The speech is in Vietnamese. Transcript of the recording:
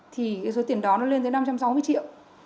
thì cái số tiền đó nó lên tới năm trăm sáu mươi triệu